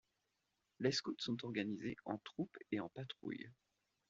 Les scouts sont organisés en troupes et en patrouilles.